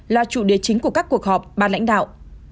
là chủ đề chính của các cuộc họp ba lãnh đạo